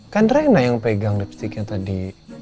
kan raina yang pegang lipsticknya tadi